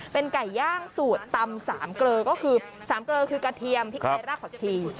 เป็นไก่ย่างสูตรตำ๓เกลอก็คือ๓เกลอคือกระเทียมพริกไทยรากผักชี